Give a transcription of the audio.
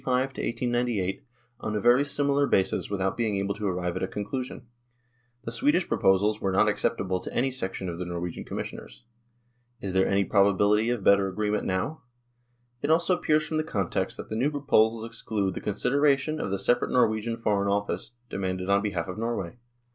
Furthermore, the last Nor wegian Swedish Union Committee worked for three years, from 1895 1898, on a very similar basis with out being able to arrive at a conclusion ; the Swedish proposals were not acceptable to any section of the Norwegian Commissioners. Is there any pro bability of better agreement now? It also ap pears from the context that the new proposals ex clude the consideration of the separate Norwegian Foreign Office, demanded on behalf of Norway.